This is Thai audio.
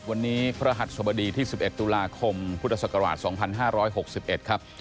วันนี้พระหัสสบดีที่๑๑ตุลาคมพุทธศักราช๒๕๖๑ครับ